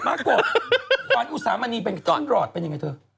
ในอุตสามัณีย์เป็นท่านหลอดเป็นยังไงเธอ